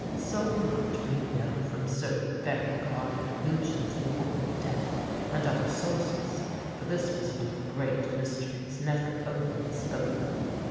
"So much we know from certain very guarded allusions in the Book of the Dead and other sources, for this was one of the great mysteries never openly spoken of.